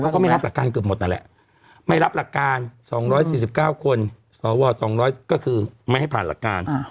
ก็ไม่รับหลักการเกือบหมดนั่นแหละไม่รับหลักการ๒๔๙คนสว๒๐๐ก็คือไม่ให้ผ่านหลักการ